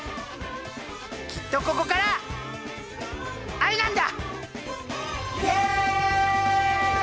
きっとここから藍なんだ！